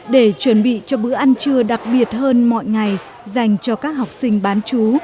để chuẩn bị cho bữa ăn trưa đặc biệt hơn mọi ngày dành cho các học sinh bán chú